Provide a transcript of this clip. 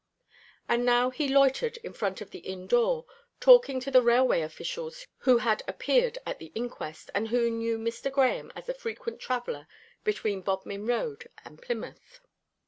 And now he loitered in front of the inn door, talking to the railway officials who had appeared at the inquest, and who knew Mr. Grahame as a frequent traveller between Bodmin Road and Plymouth.